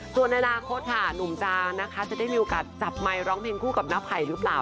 ส่วนในอนาคตค่ะหนุ่มจานะคะจะได้มีโอกาสจับไมค์ร้องเพลงคู่กับน้าไผ่หรือเปล่า